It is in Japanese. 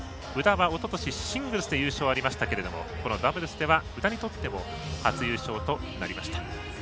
宇田はおととしシングルスで優勝ありましたけれどもこのダブルスでは宇田にとっても初優勝となりました。